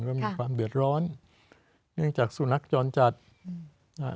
ว่ามีความเดือดร้อนเนื่องจากสุนัขจรจัดอืมอ่า